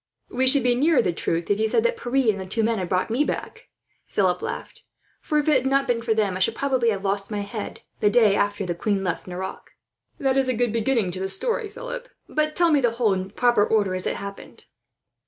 "You would be nearer the truth, if you said that Pierre and the two men had brought me back," Philip laughed; "for if it had not been for them, I should probably have lost my head the day after the queen left Nerac." "That is a good beginning to the story, Philip; but tell me the whole in proper order, as it happened."